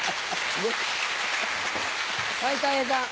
はいたい平さん。